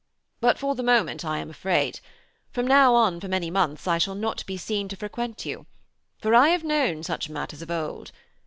But for the moment I am afraid. From now on, for many months, I shall not be seen to frequent you. For I have known such matters of old.